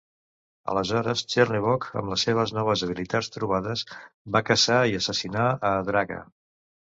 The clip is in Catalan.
Aleshores Chernevog, amb les seves noves habilitats trobades, va caçar i assassinar a Draga.